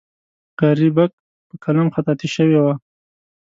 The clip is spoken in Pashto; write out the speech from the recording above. غریبک په قلم خطاطي شوې وه.